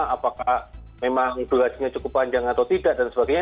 apakah memang durasinya cukup panjang atau tidak dan sebagainya